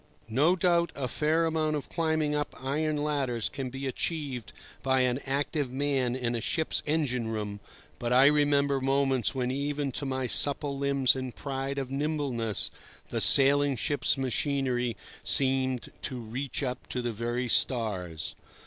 No doubt a fair amount of climbing up iron ladders can be achieved by an active man in a ship's engine room, but I remember moments when even to my supple limbs and pride of nimbleness the sailing ship's machinery seemed to reach up to the very stars.